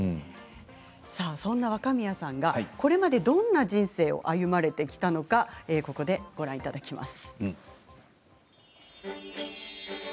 そんな若宮さんがこれまでどんな人生を歩まれてきたのかご覧いただきます。